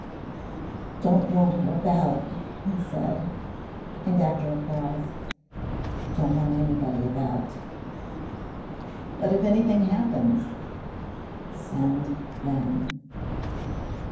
"Don't want her about," he said, and after a pause, "Don't want anybody about." "But if anything happens ?" "Send then."